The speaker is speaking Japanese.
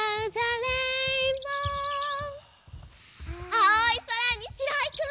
あおいそらにしろいくも